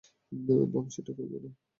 বাবুর্চিটা কই গেল?